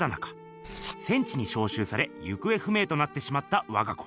戦地にしょうしゅうされ行方不明となってしまったわが子。